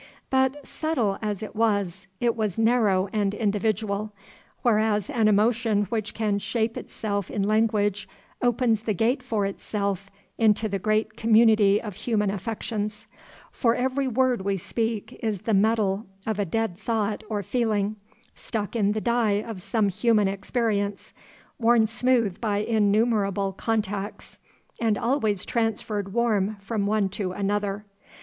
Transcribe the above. But, subtile as it was, it was narrow and individual; whereas an emotion which can shape itself in language opens the gate for itself into the great community of human affections; for every word we speak is the medal of a dead thought or feeling, struck in the die of some human experience, worn smooth by innumerable contacts, and always transferred warm from one to another.